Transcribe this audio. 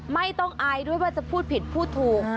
ไม่ต้องอายด้วยว่าจะพูดผิดพูดถูก